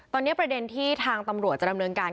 ตอนนี้ประเด็นที่ทางตำรวจจะดำเนินการ